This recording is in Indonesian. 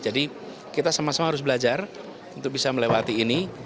jadi kita sama sama harus belajar untuk bisa melewati ini